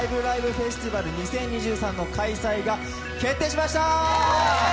フェスティバル２０２３」の開催が決定しました！